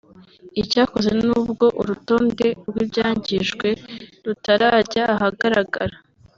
Icyakoze n’ubwo urutonde rw’ibyangijwe rutarajya ahagaragara